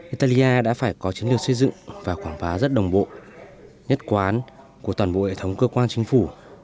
italia đã phải có chiến lược xây dựng và quảng bá rất đồng bộ nhất quán của toàn bộ hệ thống cơ quan chính phủ